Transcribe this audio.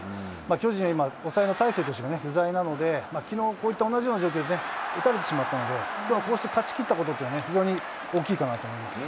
巨人、今、抑えの大勢投手が不在なので、きのうこういった同じような状況で打たれてしまったので、きょう、こうして勝ちきったことというのは非常に大きいかなと思います。